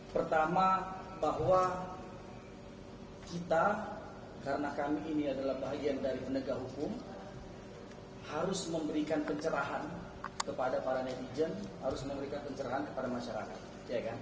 pertama bahwa kita karena kami ini adalah bagian dari penegak hukum harus memberikan pencerahan kepada para netizen harus memberikan pencerahan kepada masyarakat